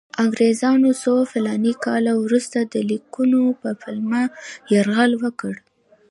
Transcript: انګریزانو څو فلاني کاله وروسته د لیکونو په پلمه یرغل وکړ.